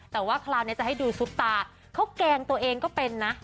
แต่ว่าคราวนี้จะให้ดูซุปตาเขาแกล้งตัวเองก็เป็นนะ